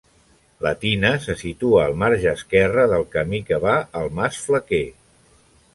La tina se situa al marge esquerre del camí que va al mas Flaquer.